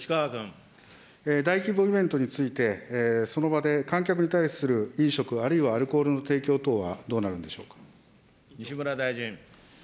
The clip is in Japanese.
大規模イベントについて、その場で観客に対する飲食、あるいはアルコールの提供等はどうなる西村大臣。